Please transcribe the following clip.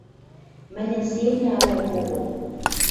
— Мӹньӹн семня ыльы кого